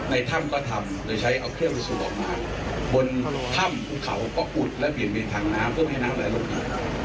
น้ำในพุทรเขาก็อุดและเปลี่ยนเป็นถังน้ำเพื่อให้น้ำดายลมหลาย